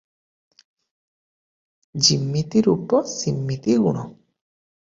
ଯିମିତି ରୂପ ସିମିତି ଗୁଣ ।